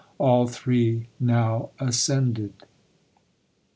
All three now ascended.